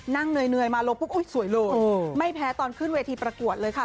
เหนื่อยมาลงปุ๊บอุ๊ยสวยเลยไม่แพ้ตอนขึ้นเวทีประกวดเลยค่ะ